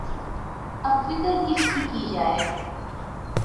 اب فکر کس کی‘ کی جائے؟